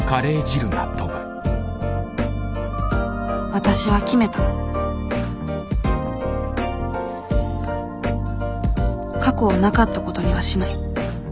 わたしは決めた過去をなかったことにはしない。